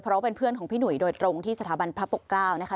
เพราะว่าเป็นเพื่อนของพี่หนุ่ยโดยตรงที่สถาบันพระปกเกล้านะคะ